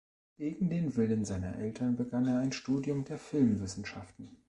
Gegen den Willen seiner Eltern begann er ein Studium der Filmwissenschaften.